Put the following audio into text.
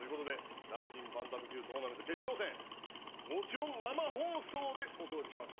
ＲＩＺＩＮバンタム級トーナメント決勝戦もちろん生放送でお届けします。